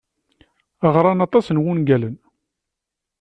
Ɣran aṭas n wungalen.